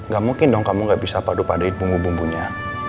gak mungkin dong kamu gak bisa padu padehin bumbu bumbunya